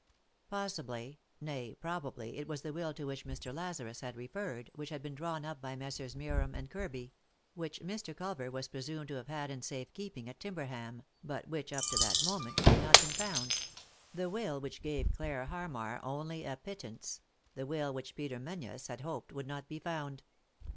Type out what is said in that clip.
Possibly, nay, probably, it was the will to which Mr. Lazarus had referred, which had been drawn op by Messrs. Meerham and Kirby ; which Mr. Culver was presumed to have had in safe keeping at Timber ham, but which, up to that moment, had not been found — the will which gave Clare Harmar only a pittance— the will which Peter Menzies had hoped 94 3i 9 iii^d by Google THE INTERRUPTED KISS would not be found.